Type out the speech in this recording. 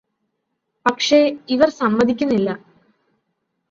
"പക്ഷേ, ഇവർ സമ്മതിക്കുന്നില്ല’’